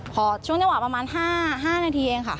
พอช่วงจังหวะประมาณ๕นาทีเองค่ะ